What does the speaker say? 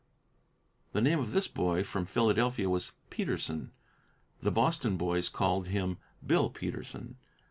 The name of this boy from Philadelphia was Peterson; the Boston boys called him Bill Peterson.